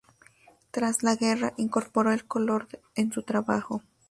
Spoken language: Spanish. Tras la guerra incorporó el color en su trabajo.